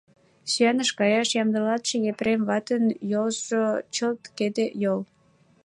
Сӱаныш каяш ямдылалтше Епрем ватын йолжо чылт кеде йол.